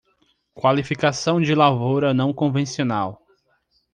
Qualificação de lavoura não convencional